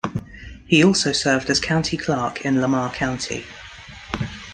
He also served as county clerk in Lamar County.